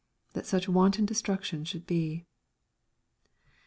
that such wanton destruction should be.